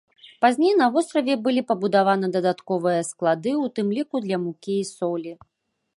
Пазней на востраве былі пабудаваны дадатковыя склады, у тым ліку для мукі і солі.